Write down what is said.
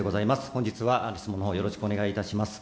本日は質問のほうよろしくお願いします。